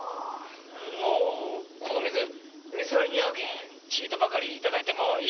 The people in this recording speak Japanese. のぅこの水水割りに合うけんちいとばかり頂いてもいいかのぅ？